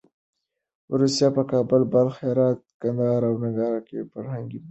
روسیه په کابل، بلخ، هرات، کندهار او ننګرهار کې فرهنګي فعالیت لري.